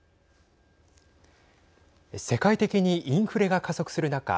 世界的にインフレが加速する中